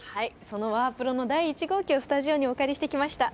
そのワープロの第１号機をスタジオにお借りしてきました。